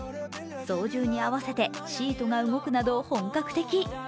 操縦に合わせてシートが動くなど本格的。